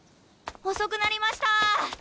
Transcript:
遅くなりました。